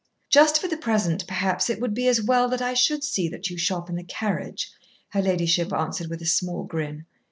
"Just for the present, perhaps, it would be as well that I should see that you shop in the carriage," her ladyship answered with a small grin.